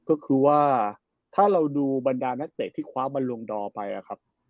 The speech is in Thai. ก็คือว่าถ้าเราดูบรรดานักเตะที่คว้าบรรลงดอร์ไปนะครับ